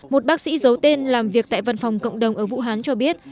một bác sĩ giấu tên làm việc tại văn phòng cộng đồng ở vũ hán cho biết